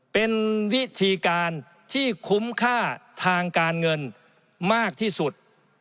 เป็นวิธีการที่คุ้มค่าทางการเงินมากที่สุด